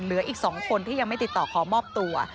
เหลืออีก๒คนที่ยังไม่ติดต่อขอมอบตัว